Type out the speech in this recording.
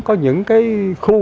có những cái khu